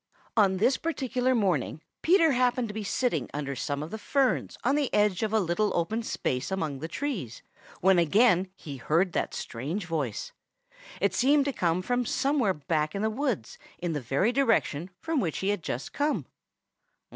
On this particular morning Peter happened to be sitting under some ferns on the edge of a little open space among the trees when again he heard that strange voice. It seemed to come from somewhere back in the woods in the very direction from which he had just come.